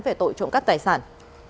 về tội trộm cắt tài sản